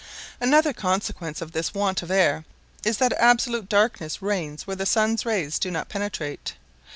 Another consequence of this want of air is that absolute darkness reigns where the sun's rays do not penetrate.